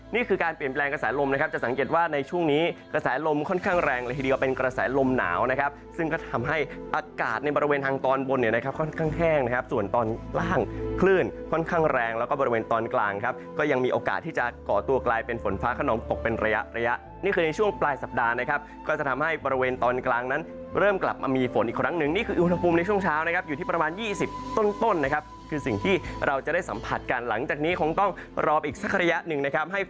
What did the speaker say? นี่คือการเปลี่ยนแปลงกระสายลมนะครับจะสังเกตว่าในช่วงนี้กระสายลมค่อนข้างแรงหรือทีเดียวเป็นกระสายลมหนาวนะครับซึ่งก็ทำให้อากาศในบริเวณทางตอนบนเนี่ยนะครับค่อนข้างแทงนะครับส่วนตอนล่างคลื่นค่อนข้างแรงแล้วก็บริเวณตอนกลางครับก็ยังมีโอกาสที่จะก่อตัวกลายเป็นฝนฟ้าขนองตกเป็นระยะระยะนี่